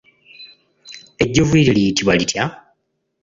Ejjovu eryo liyitibwa litya?